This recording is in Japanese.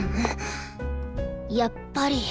やっぱり。